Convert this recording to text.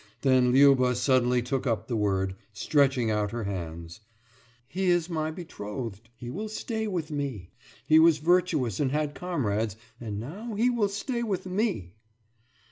Then Liuba suddenly took up the word, stretching out her hands. »He is my betrothed. He will stay with me. He was virtuous and had comrades, and now he will stay with me!